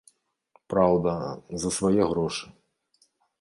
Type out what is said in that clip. Праўда, за свае грошы.